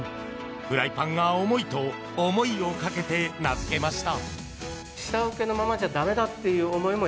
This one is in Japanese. フライパンが「重い」と「想い」をかけて名付けました。